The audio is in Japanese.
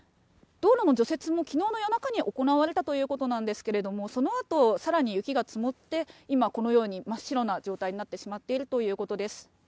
道路の除雪もきのうの夜中に行われたということなんですけれども、そのあとさらに雪が積もって、今、このように真っ白な状態になってしまっているということです。